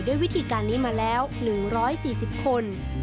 วิธีการนี้มาแล้ว๑๔๐คน